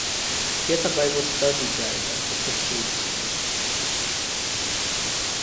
get a bible study guide at a Christian bookstore.